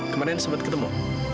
kemarin sempat ketemu